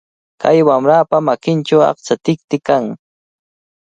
Kay wamrapa makinchawmi achka tikti kan.